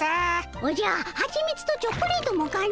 おじゃはちみつとチョコレートもかの！